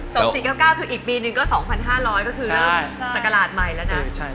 เก้าเก้าคืออีกปีหนึ่งก็๒๕๐๐ก็คือเริ่มศักราชใหม่แล้วนะ